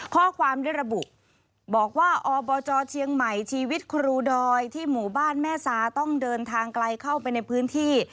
ข้อความได้ระบุบอกว่าอบจเชียงใหม่ชีวิตครูดอยที่หมู่บ้านแม่ซาต้องเดินทางไกลเข้าไปในพื้นที่